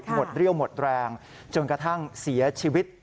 เรี่ยวหมดแรงจนกระทั่งเสียชีวิต